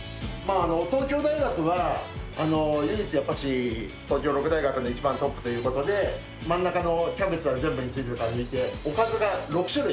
東京大学は、唯一、やっぱし、東京六大学の一番トップということで、真ん中のキャベツ以外の全部、おかずが６種類。